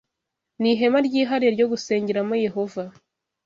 Ni ihema ryihariye ryo gusengeramo Yehova